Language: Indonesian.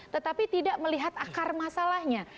tetapi tidak melihat akar masalahnya